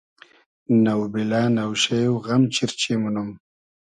نۆبیلۂ نۆشېۉ غئم چیرچی مونوم